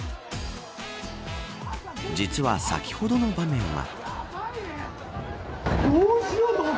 実は先ほどの場面は。